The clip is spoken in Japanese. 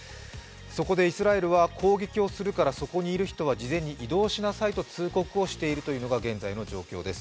そこでイスラエルは攻撃をするから、そこにいる人は事前に移動しなさいと通告しているのが現在の状況です。